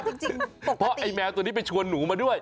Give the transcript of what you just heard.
จริงเพราะไอ้แมวตัวนี้ไปชวนหนูมาด้วย